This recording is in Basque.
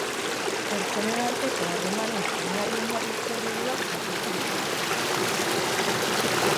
Pertsonen arteko harremanen oinarri-oinarrizko ereduak zapuztu ditu.